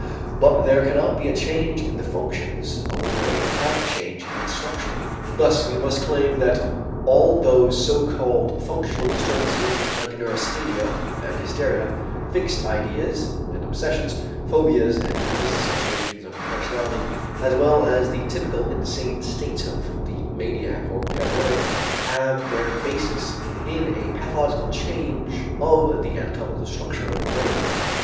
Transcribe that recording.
But there cannot be a change in the functions of the brain without a change in its structure. Thus we must claim that all those so called functional disturbances like neurasthenia and hysteria, fixed ideas and obsessions, phobias and dissociations of the personality, as well as the typical insane states of the maniac or paranoiac have their basis in a pathological change of the anatomical structure of the brain.